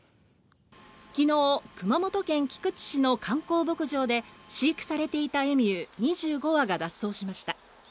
昨日、熊本県菊池市の観光牧場で飼育されていたエミュー２５羽が脱走しました。